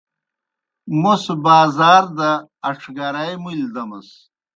موْس بازار دہ اَڇھگرائے مُلیْ دیمَس۔